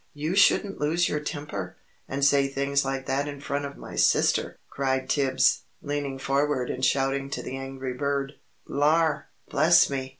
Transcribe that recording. "You shouldn't lose your temper, and say things like that in front of my sister!" cried Tibbs, leaning forward and shouting to the angry bird. "Lar! Bless me!"